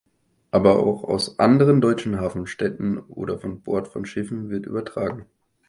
Aber auch aus anderen deutschen Hafenstädten oder von Bord von Schiffen wird übertragen.